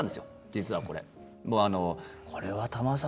実はこれ。